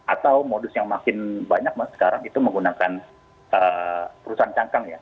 atau modus yang makin banyak mas sekarang itu menggunakan perusahaan cangkang ya